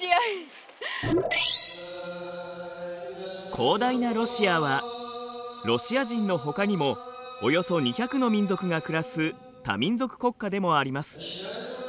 広大なロシアはロシア人のほかにもおよそ２００の民族が暮らす多民族国家でもあります。